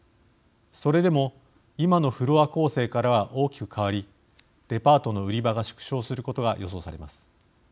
それでも、今のフロア構成からは大きく変わりデパートの売り場が縮小することが予想されます。